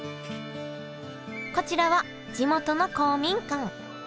こちらは地元の公民館。